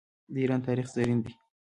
د ایران تاریخ زرین دی.